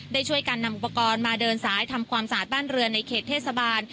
ได้ช่วยกันนำอุปกรณ์มาเดินสายทำความสะอาดบ้านเรือนในเขตเทศบาล